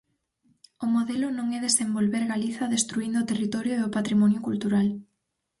O modelo non é desenvolver Galiza destruíndo o territorio e o patrimonio cultural.